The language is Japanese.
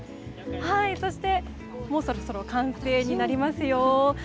そして、そろそろ完成になりますよ。